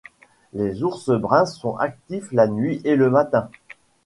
Les ours bruns sont actifs la nuit et le matin